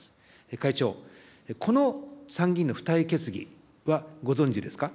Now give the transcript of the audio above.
会長、この参議院の付帯決議はご存じですか。